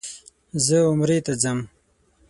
زه عمرې ته ځم.